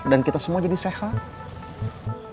dan kita semua jadi sehat